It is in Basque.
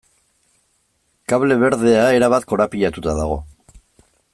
Kable berdea erabat korapilatuta dago.